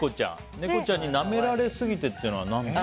猫ちゃんになめられすぎるというのは？